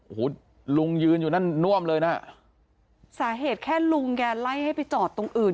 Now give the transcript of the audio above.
โอ้โหลุงยืนอยู่นั่นน่วมเลยน่ะสาเหตุแค่ลุงแกไล่ให้ไปจอดตรงอื่น